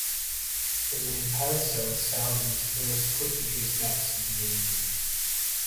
The name 'Paracel' is found in the first Portuguese maps of the region.